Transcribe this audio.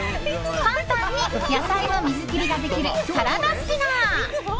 簡単に野菜の水切りができるサラダスピナー。